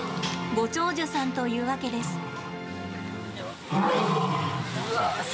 ご長寿さんというわけです。